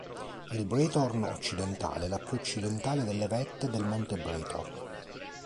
Il Breithorn Occidentale è la più occidentale delle vette del monte Breithorn.